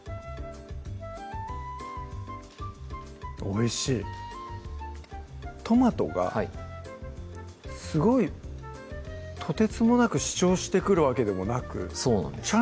おいしいトマトがすごいとてつもなく主張してくるわけでもなくそうなんです